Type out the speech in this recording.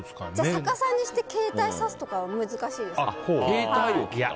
逆さにして携帯さすとかは難しいですか？